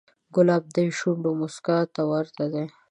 ګلاب د شونډو موسکا ته ورته دی.